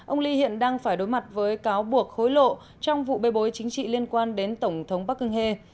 ông lee hiện đang phải đối mặt với cáo buộc khối lộ trong vụ bê bối chính trị liên quan đến tổng thống park geun hye